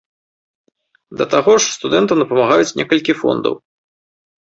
Да таго ж, студэнтам дапамагаюць некалькі фондаў.